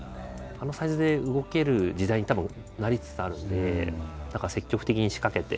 あのサイズで動ける時代にたぶんなりつつあるんで積極的に仕掛けて。